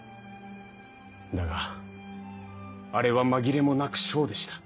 だがあれは紛れもなく将でした。